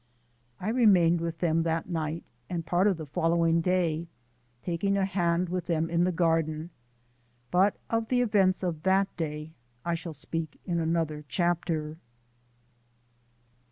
I remained with them that night and part of the following day, taking a hand with them in the garden, but of the events of that day I shall speak in another chapter.